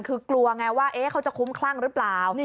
คือกลัวไงว่าเขาจะคุ้มคลั่งหรือเปล่า